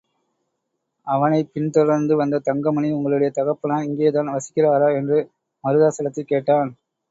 அவனைப் பின்தொடர்ந்து வந்த தங்கமணி, உங்களுடைய தகப்பனார் இங்கேதான் வசிக்கிறாரா? என்று மருதாசலத்தைக் கேட்டான்.